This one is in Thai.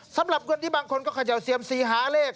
สำหรับวันนี้บางคนก็ขยัวเสี่ยมสี่หาเลข